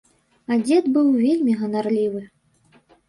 А дзед быў вельмі ганарлівы.